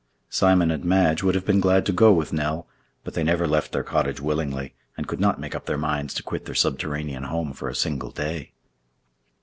Simon and Madge would have been glad to go with Nell; but they never left their cottage willingly, and could not make up their minds to quit their subterranean home for a single day.